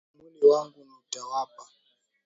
Mwili wangu nitawapa